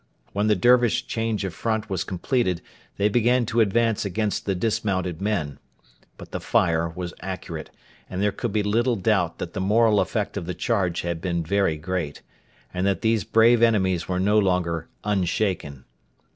When the Dervish change of front was completed, they began to advance against the dismounted men. But the fire was accurate, and there can be little doubt that the moral effect of the charge had been very great, and that these brave enemies were no longer unshaken.